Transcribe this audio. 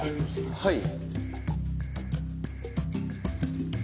はい。